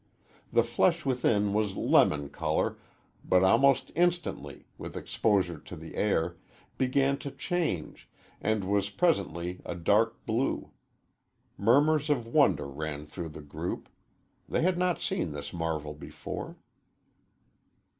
The flesh within was lemon color, but almost instantly, with exposure to the air, began to change, and was presently a dark blue. Murmurs of wonder ran through the group. They had not seen this marvel before.